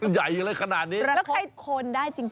ใหญ่อะไรขนาดนี้ประคบคนได้จริง